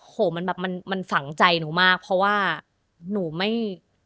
โหมันแบบมันมันฝังใจหนูมากเพราะว่าหนูไม่